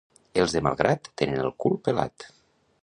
Els de Malgrat tenen el cul pelat.